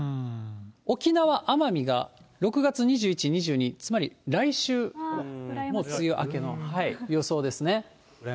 沖縄・奄美が６月２１、２２、つまり来週、もう梅雨明けの予想ですね。